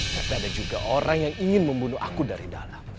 tapi ada juga orang yang ingin membunuh aku dari dana